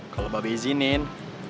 kalo bapak bezinin